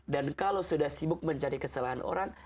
dan kalau sudah sibuk mencari kesalahan orang